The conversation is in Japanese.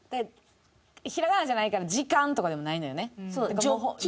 平仮名じゃないから「時間」とかでもないのよね。